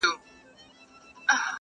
د وطن را باندي پروت یو لوی احسان دی,